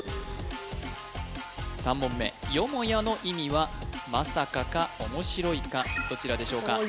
３問目よもやの意味は「まさか」か「面白い」かどちらでしょうか？